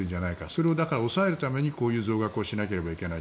それを抑えるためにこういう増額をしないといけない。